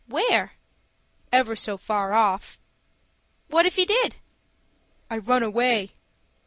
"Where?" "Ever so far off." "What if he did?" "I ran away."